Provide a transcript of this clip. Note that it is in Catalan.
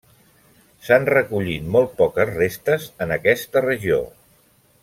S'han recollit molt poques restes en aquesta regió.